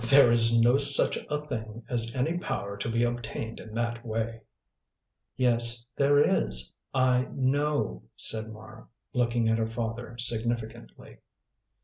There is no such a thing as any power to be obtained in that way." "Yes there is. I know," said Mara, looking at her father significantly.